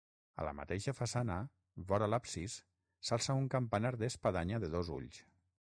A la mateixa façana, vora l'absis, s'alça un campanar d'espadanya de dos ulls.